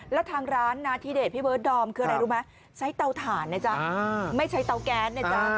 แล้วทางร้านนาธิเดชพี่เบิร์ดดอมคืออะไรรู้ไหมใช้เตาถ่านนะจ๊ะไม่ใช้เตาแก๊สนะจ๊ะ